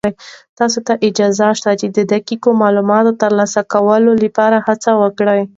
تاسې ته اجازه شته چې د دقيق معلوماتو تر سره کولو لپاره هڅې وکړئ.